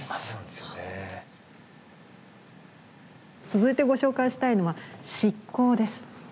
続いてご紹介したいのは漆工です。